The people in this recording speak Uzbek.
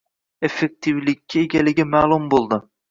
– effektivlikka egaligi ma’lum bo‘ldi.